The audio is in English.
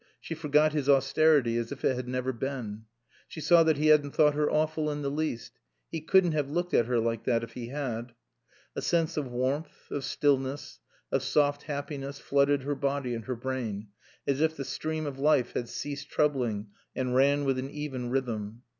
She forgot his austerity as if it had never been. She saw that he hadn't thought her awful in the least. He couldn't have looked at her like that if he had. A sense of warmth, of stillness, of soft happiness flooded her body and her brain, as if the stream of life had ceased troubling and ran with an even rhythm.